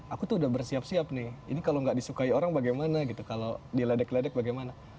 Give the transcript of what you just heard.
aku tuh udah bersiap siap nih ini kalau nggak disukai orang bagaimana gitu kalau diledek ledek bagaimana